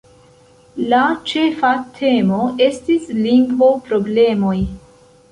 La ĉefa temo estis lingvo-problemoj.